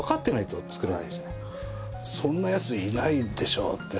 そんなやついないでしょって話に。